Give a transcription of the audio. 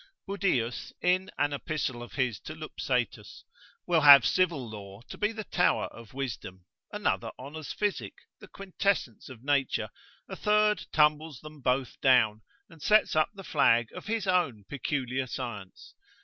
Budaeus, in an epistle of his to Lupsetus, will have civil law to be the tower of wisdom; another honours physic, the quintessence of nature; a third tumbles them both down, and sets up the flag of his own peculiar science.